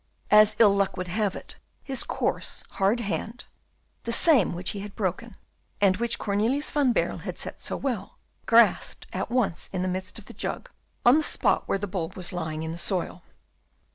As ill luck would have it, his coarse, hard hand, the same which he had broken, and which Cornelius van Baerle had set so well, grasped at once in the midst of the jug, on the spot where the bulb was lying in the soil.